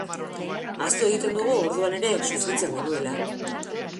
Ahaztu egiten dugu orduan ere sufritzen genuela.